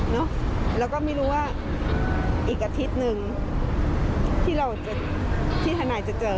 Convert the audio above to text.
แล้วก็ไม่รู้ว่าอีกอาทิตย์หนึ่งที่เราจะที่ทนายจะเจอ